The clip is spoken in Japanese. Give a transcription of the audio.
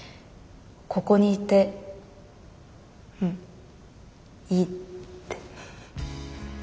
ここにいてうんいいって。